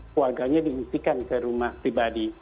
keluarganya diungsikan ke rumah pribadi